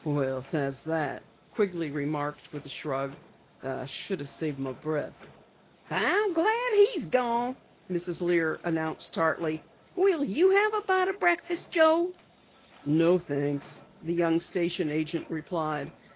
"Well, that's that," Quigley remarked with a shrug. "I should have saved my breath." "I'm glad he's gone," Mrs. Lear announced tartly. "Will you have a bite o' breakfast, Joe?" "No, thanks," the young station agent replied.